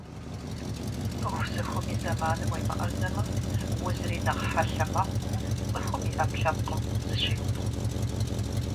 Пыхусыхум и зэманым уемыӀэзэмэ, узри нэхъ хьэлъэ мэхъу, цӀыхум и Ӏэпкълъэпкъым зыщеубгъу.